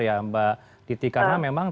ya mbak titi karena memang